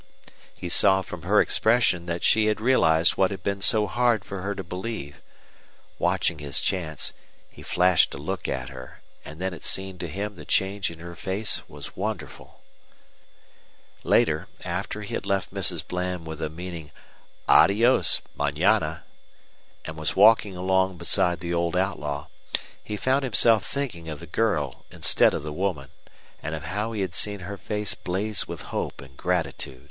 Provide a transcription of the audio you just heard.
He saw from her expression that she had realized what had been so hard for her to believe. Watching his chance, he flashed a look at her; and then it seemed to him the change in her face was wonderful. Later, after he had left Mrs. Bland with a meaning "Adios manana," and was walking along beside the old outlaw, he found himself thinking of the girl instead of the woman, and of how he had seen her face blaze with hope and gratitude.